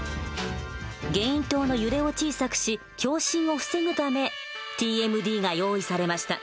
ゲイン塔の揺れを小さくし共振を防ぐためＴＭＤが用意されました。